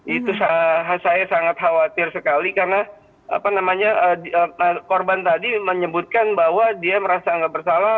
itu saya sangat khawatir sekali karena korban tadi menyebutkan bahwa dia merasa nggak bersalah